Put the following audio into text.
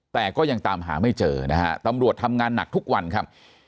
แต่ก็ยังตามหาไม่เจอนะฮะตำรวจทำงานหนักทุกวันครับ